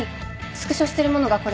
スクショしてるものがこれで